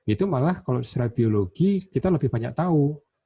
itu malah kalau secara biologi kita lebih banyak tahu